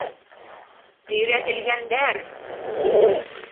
Өйрәтелгәндәр!